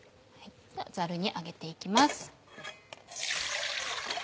ザルに上げて行きます。